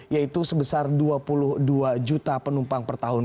yaitu sebesar dua puluh dua juta penumpang per tahun